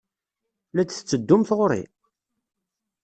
La d-tetteddumt ɣer-i?